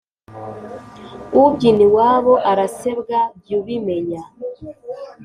Ubyina iwabo arasebwa jy’ubimenya